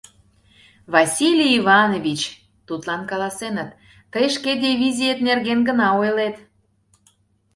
— Василий Иванович! — тудлан каласеныт, — тый шке дивизиет нерген гына ойлет...